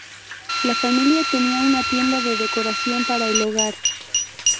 La familia tenía una tienda de decoración para el hogar.